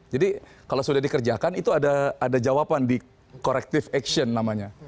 jadi kalau sudah dikerjakan itu ada jawaban di corrective action namanya